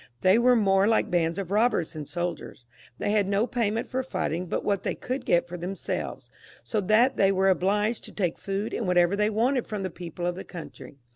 They were more like bands of robbers than soldiers ; they had no payment for fighting but what they could get for themselves, so that they were obliged to take food and whatever they wanted from the people of the country.